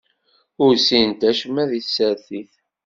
Ur ssinent acemma di tsertit.